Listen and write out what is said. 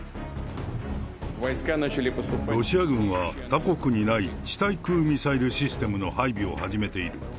ロシア軍は、他国にない地対空ミサイルシステムの配備を始めている。